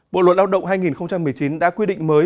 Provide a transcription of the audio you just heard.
bộ luật lao động hai nghìn một mươi chín đã quy định mới